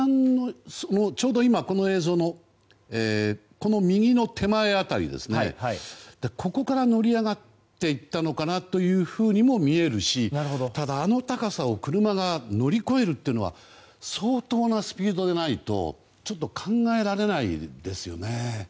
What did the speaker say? この映像の右の手前辺りここから乗り上がっていったのかというふうにも見えるしただ、あの高さを車が乗り越えるというのは相当なスピードでないとちょっと考えられないですよね。